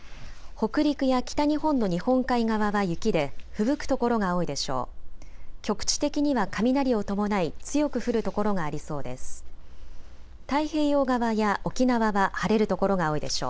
北陸や北日本の日本海側は雪でふぶく所が多いでしょう。